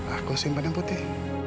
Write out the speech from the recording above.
aku simpan yang putih